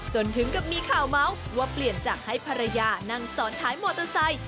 จนถึงกับมีข่าวเมาส์ว่าเปลี่ยนจากให้ภรรยานั่งซ้อนท้ายมอเตอร์ไซค์